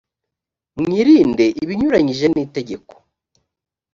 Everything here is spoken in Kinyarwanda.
mwirinde ibinyuranyije nitegeko.